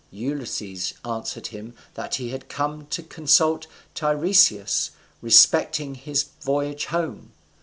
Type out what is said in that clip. Ulysses answered him that he had come to consult Tiresias respecting his voyage home.